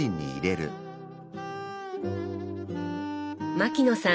牧野さん